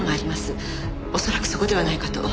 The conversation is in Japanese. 恐らくそこではないかと。